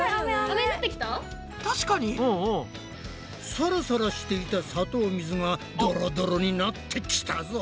サラサラしていた砂糖水がドロドロになってきたぞ！